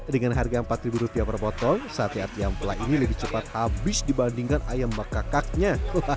dengan harga rp empat per potong sate ati ampela ini lebih cepat habis dibandingkan ayam bekakaknya